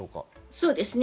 そうです。